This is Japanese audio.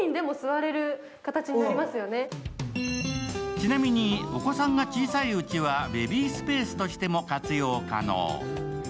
ちなみにお子さんが小さいうちはベビースペースとしても活用可能。